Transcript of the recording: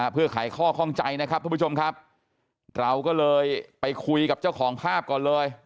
เพื่อขายข้อความใจนะครับท่านผู้ชมก็เลยไปคุยกับเจ้าของภาพก่อนเลย